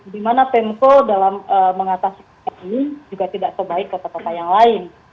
di mana pemko dalam mengatasi ini juga tidak sebaik kota kota yang lain